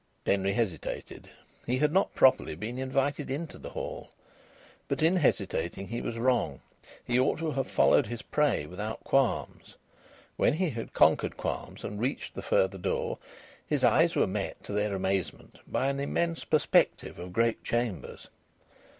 Denry hesitated he had not properly been invited into the Hall. But in hesitating he was wrong; he ought to have followed his prey without qualms. When he had conquered qualms and reached the further door, his eyes were met, to their amazement, by an immense perspective of great chambers.